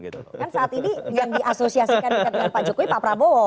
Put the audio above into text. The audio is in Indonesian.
kan saat ini yang diasosiasikan dekat dengan pak jokowi pak prabowo